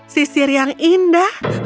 sisir yang indah